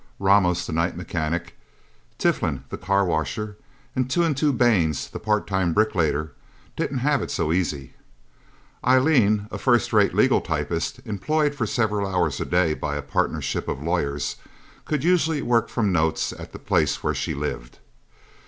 Ramos, the night mechanic, Tiflin, the car washer, and Two and Two Baines, the part time bricklayer, didn't have it so easy. Eileen, a first rate legal typist employed for several hours a day by a partnership of lawyers, could usually work from notes, at the place where she lived.